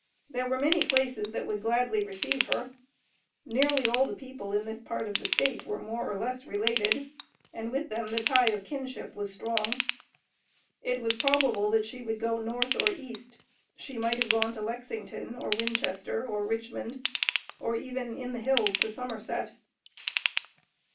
There were many places that would gladly receive her. Nearly all the people in this part of the state were more or less related, and with them the tie of kinship was strong. It was probable that she would go north, or east. She might have gone to Lexington, or Winchester, or Richmond, or even in the hills to Somerset.